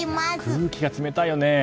空気が冷たいよね。